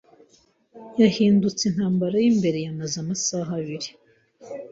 yahindutse intambara y'imbere yamaze amasaha abiri